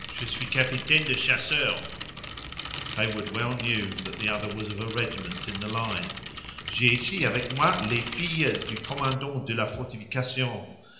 Je suis capitaine de chasseurs (Heyward well knew that the other was of a regiment in the line); j'ai ici, avec moi, les filles du commandant de la fortification.